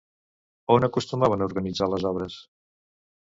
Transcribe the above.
On acostumaven a organitzar les obres?